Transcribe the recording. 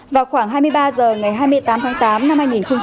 vào khoảng hai mươi ba h ngày hai mươi tám tháng tám năm hai nghìn một mươi chín